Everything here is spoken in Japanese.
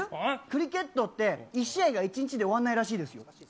クリケットって１試合が１日で終わらないらしいです。